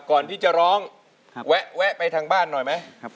ก่อนที่จะร้องแวะไปทางบ้านหน่อยไหม